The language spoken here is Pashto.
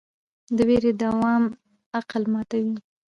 د ویرې دوام عقل ماتوي.